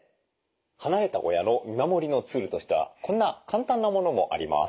離れた親の見守りのツールとしてはこんな簡単なものもあります。